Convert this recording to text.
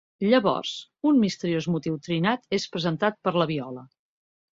Llavors un misteriós motiu trinat és presentat per la viola.